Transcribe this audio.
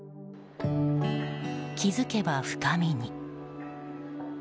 気づけば深みに。